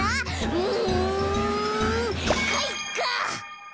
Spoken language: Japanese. うんかいか！